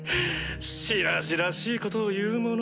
しらじらしいことを言うもの